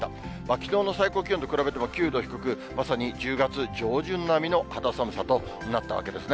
きのうの最高気温と比べても９度低く、まさに１０月上旬並みの肌寒さとなったわけですね。